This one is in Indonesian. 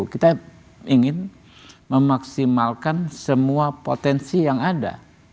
kita ingin memaksimalkan semua potensi yang ada